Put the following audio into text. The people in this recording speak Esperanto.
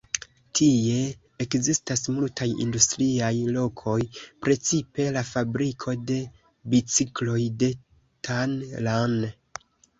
Tie ekzistas multaj industriaj lokoj, precipe la fabriko de bicikloj de Tan Lan.